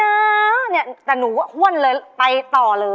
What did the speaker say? อยากแต่งานกับเธออยากแต่งานกับเธอ